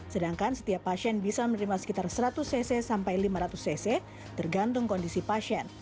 sedangkan setiap pasien bisa menerima sekitar seratus cc sampai lima ratus cc tergantung kondisi pasien